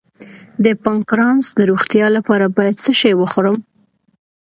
د پانکراس د روغتیا لپاره باید څه شی وخورم؟